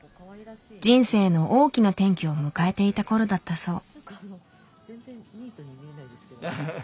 人生の大きな転機を迎えていた頃だったそう。